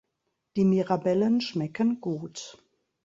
Die Mirabellen schmecken gut.